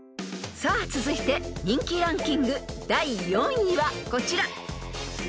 ［さあ続いて人気ランキング第４位はこちら］